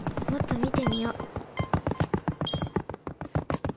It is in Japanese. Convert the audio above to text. もっとみてみよう。